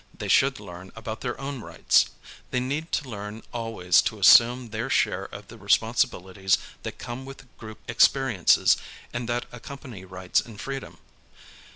They should learn about their own rights. They need to learn always to assume their share of the responsibilities that come with group experiences and that accompany rights and freedom.